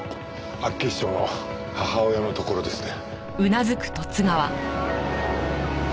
厚岸町の母親のところですね。